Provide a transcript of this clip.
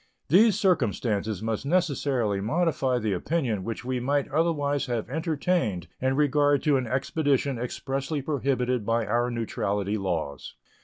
These circumstances must necessarily modify the opinion which we might otherwise have entertained in regard to an expedition expressly prohibited by our neutrality laws.